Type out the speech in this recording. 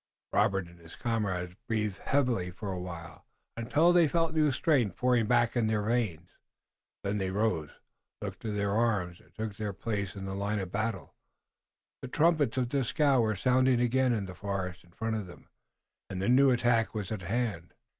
Robert and his comrades breathed heavily for a while, until they felt new strength pouring back into their veins. Then they rose, looked to their arms and took their place in the line of battle. The trumpets of Dieskau were sounding again in the forest in front of them, and the new attack was at hand.